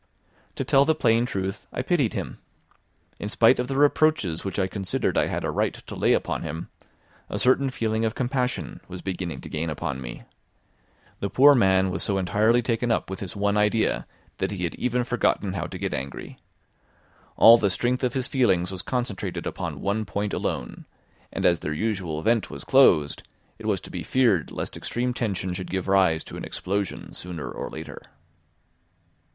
To tell the plain truth, I pitied him. In spite of the reproaches which I considered I had a right to lay upon him, a certain feeling of compassion was beginning to gain upon me. The poor man was so entirely taken up with his one idea that he had even forgotten how to get angry. All the strength of his feelings was concentrated upon one point alone; and as their usual vent was closed, it was to be feared lest extreme tension should give rise to an explosion sooner or later.